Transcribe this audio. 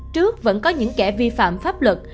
trước vẫn có những kẻ vi phạm pháp luật